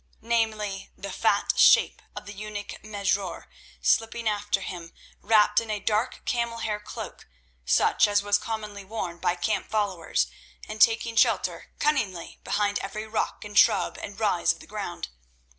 Namely, the fat shape of the eunuch Mesrour, slipping after him wrapped in a dark camel hair cloak, such as was commonly worn by camp followers, and taking shelter cunningly behind every rock and shrub and rise of the ground.